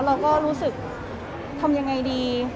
เราก็รู้สึกทำยังไงดี